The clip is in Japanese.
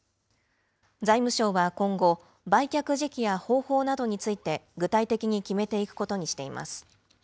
財務省は今後、売却時期や方法などについて、具体的に決めていくことにしています。